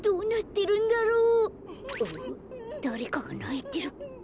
だれかがないてる。